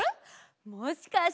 もしかして。